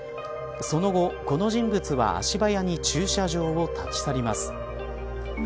その後、この人物は足早に駐車場を立ち去ります。